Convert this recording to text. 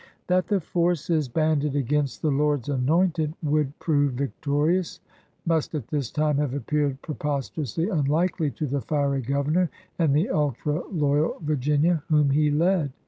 That the forces banded against the Lord's anointed would prove victorious must at this time have appeared preposterously unlikely to the fiery Governor and the ultra loyaJ Virginia whom he led.